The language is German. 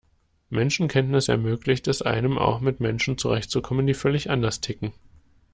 Menschenkenntnis ermöglicht es einem, auch mit Menschen zurechtzukommen, die völlig anders ticken.